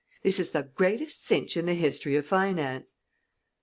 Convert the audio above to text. This is the greatest cinch in the history of finance."